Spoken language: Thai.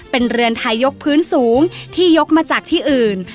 เป็นเรือนไทยยกพื้นสูงที่ยกมาจากที่อื่น